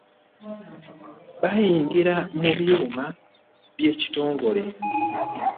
Baayingira mu byuma by'ekitongole